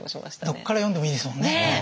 どっから読んでもいいですもんね。